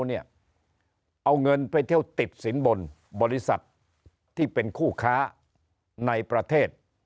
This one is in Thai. เอาเงินไปเที่ยวติดสินบนบริษัทที่เป็นคู่ค้าในประเทศ